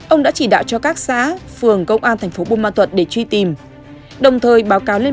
ông đã chỉ đạo cho các xã phường công an tp bô ma thuật để truy tìm đồng thời báo cáo lên